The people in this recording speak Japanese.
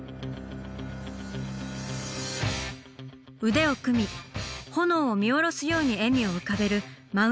腕を組みホノオを見下ろすように笑みを浮かべるマウント武士。